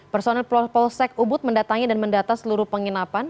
personel polsek ubud mendatangi dan mendata seluruh penginapan